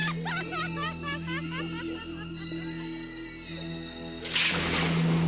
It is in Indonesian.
sampai jumpa di video selanjutnya